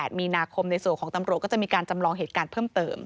มีนาคมในส่วนของตำรวจก็จะมีการจำลองเหตุการณ์เพิ่มเติม